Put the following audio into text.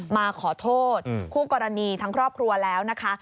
มาขอโทษคู่กรณีทั้งครอบครัวแล้วนะคะ